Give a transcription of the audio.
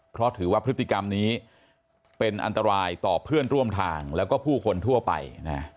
เพราะถือว่าพฤติกรรมนี้เป็นอันตรายต่อเพื่อนร่วมทางแล้วก็ผู้คนทั่วไป